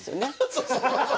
そうそう！